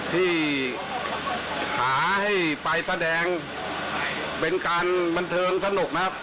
ที่หาให้ไปแสดงเป็นการบันเทิงสนุกนะครับ